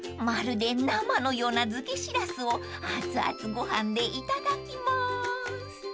［まるで生のような漬けしらすを熱々ご飯でいただきます］